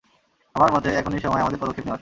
আমার মতে, এখনই সময় আমাদের পদক্ষেপ নেওয়ার।